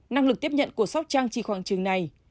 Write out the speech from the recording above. năng lực tiếp nhận của sóc trăng chỉ khoảng chừng này